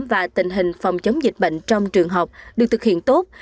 và tình hình phòng chống dịch bệnh trong trường học được thực hiện tốt